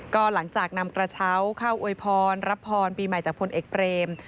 ก็หลังจากนำกระเช้าเข้าอวยพรรับพรปีใหม่จากพลเอกเบรม